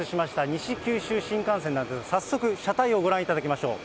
西九州新幹線、早速、車体をご覧いただきましょう。